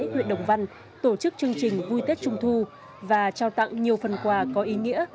huyện đồng văn tổ chức chương trình vui tết trung thu và trao tặng nhiều phần quà có ý nghĩa